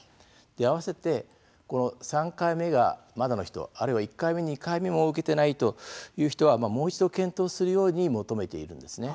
合わせて３回目がまだの人、あるいは１回目、２回目も受けていないという人はもう一度検討するように求めているんです。